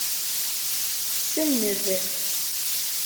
Senned.